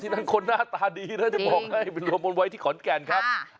นั้นคนหน้าตาดีนะจะบอกให้ไปรวมบนไว้ที่ขอนแก่นครับ